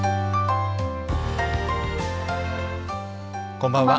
こんばんは。